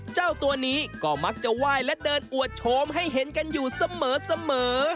เจ้าตัวนี้ก็มักจะไหว้และเดินอวดโฉมให้เห็นกันอยู่เสมอ